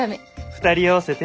２人合わせて。